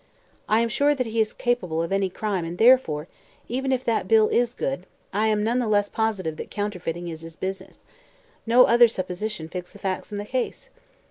I am sure that he is capable of any crime and therefore even if that bill is good I am none the less positive that counterfeiting is his business. No other supposition fits the facts in the case."